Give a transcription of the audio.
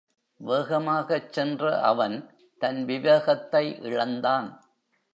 வேகமாகச் சென்ற அவன் தன் விவேகத்தை இழந்தான்.